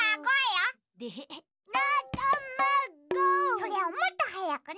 それをもっとはやくね。